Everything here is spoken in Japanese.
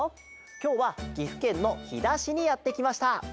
きょうはぎふけんのひだしにやってきました。